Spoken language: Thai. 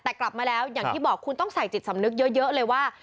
แต่กลับมาแล้วอย่างที่บอกคุณต้องใส่จิตสำนึกเยอะเลยว่า